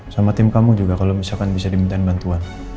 sama tim kamu juga kalau misalkan bisa diminta bantuan